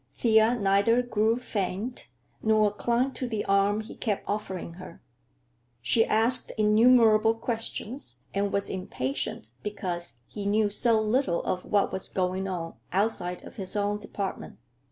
Thea neither grew faint nor clung to the arm he kept offering her. She asked innumerable questions and was impatient because he knew so little of what was going on outside of his own department.